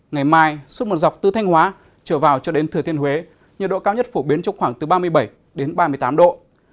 ngày mai suốt một dọc từ thanh hóa trở vào cho đến thừa thiên huế nhiệt độ cao nhất phổ biến trong khoảng từ ba mươi bảy đến ba mươi tám độ